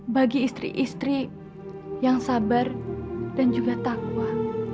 bagi istri istri yang sabar dan juga takwa